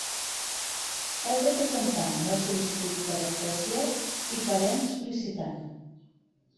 Heu de presentar una sol·licitud per actuació i per ens sol·licitant.